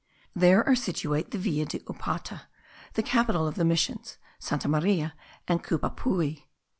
There are situate the Villa de Upata,* the capital of the missions, Santa Maria, and Cupapui.